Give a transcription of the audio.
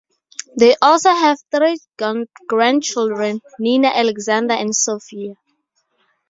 They also have three grandchildren Nina, Alexander, and Sofia.